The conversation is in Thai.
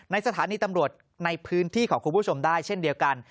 สถานีตำรวจในพื้นที่ของคุณผู้ชมได้เช่นเดียวกัน